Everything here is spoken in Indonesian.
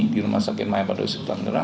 di rumah sakit maya pada usia ketua negara